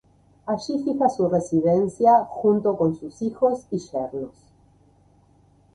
Allí fija su residencia junto con sus hijos y yernos.